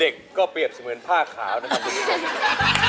เด็กก็เปรียบเสมือนผ้าขาวนะครับ